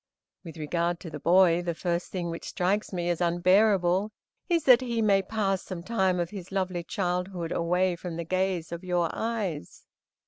With regard to the boy, the first thing which strikes me as unbearable is that he may pass some time of his lovely childhood away from the gaze of your eyes.